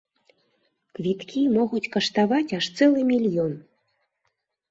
Квіткі могуць каштаваць аж цэлы мільён.